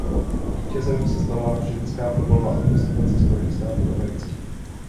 Vítězem se stala Ženská fotbalová reprezentace Spojených států amerických.